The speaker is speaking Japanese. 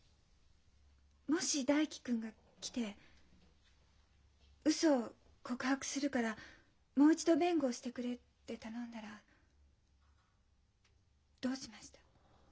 もし大樹君が来て「ウソを告白するからもう一度弁護をしてくれ」って頼んだらどうしました？